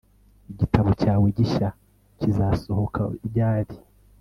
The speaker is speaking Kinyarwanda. Igitabo cyawe gishya kizasohoka ryari